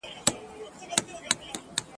ورته جوړ د هر پمن د خنجر وار وي !.